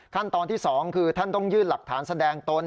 ขั้นตอนที่๒คือท่านต้องยื่นหลักฐานแสดงตน